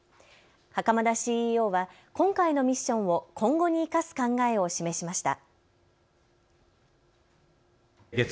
袴田ＣＥＯは今回のミッションを今後に生かす考えを示しました。